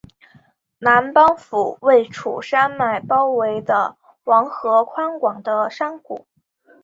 南邦府位处山脉包围的王河宽广的山谷。